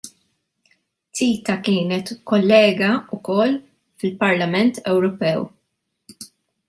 Zita kienet kollega wkoll fil-Parlament Ewropew.